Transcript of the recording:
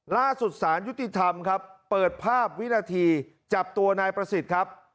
ล่าสุดสารยุติธรรมครับเปิดภาพวินาทีจับตัวนายประสิทธิ์ครับ